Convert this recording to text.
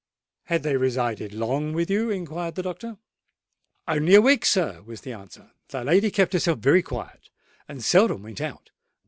"Had they resided long with you?" inquired the doctor. "Only a week, sir," was the answer. "The lady kept herself very quiet, and seldom went out.